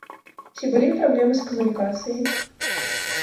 Ці былі праблемы з камунікацыяй?